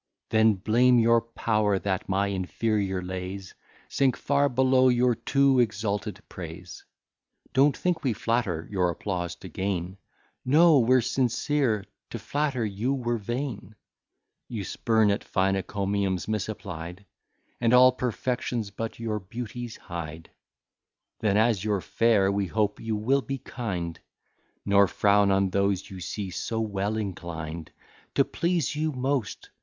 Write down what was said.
Then blame your power, that my inferior lays Sink far below your too exalted praise: Don't think we flatter, your applause to gain; No, we're sincere, to flatter you were vain. You spurn at fine encomiums misapplied, And all perfections but your beauties hide. Then as you're fair, we hope you will be kind, Nor frown on those you see so well inclined To please you most.